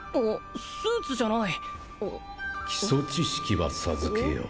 スーツじゃない基礎知識は授けよう